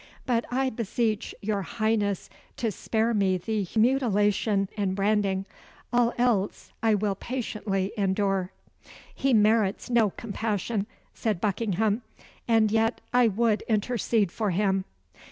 But I beseech your Highness to spare me the mutilation and branding. All else I will patiently endure." "He merits no compassion," said Buckingham, "and yet I would intercede for him."